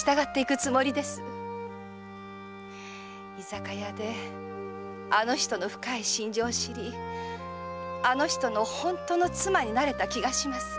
居酒屋であの人の深い心情を知りあの人の本当の妻になれた気がします。